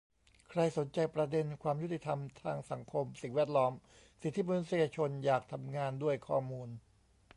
ใครสนใจประเด็นความยุติธรรมทางสังคม สิ่งแวดล้อม สิทธิมนุษยชน อยากทำงานด้วยข้อมูล